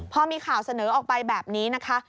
พอมีข่าวเสนอออกไปแบบนี้นะคะ